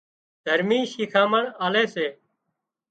دهرمِي شِکامڻ آلي سي